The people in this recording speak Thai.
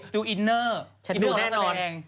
ดูอินเนอร์อินเนอร์ของนักแสนง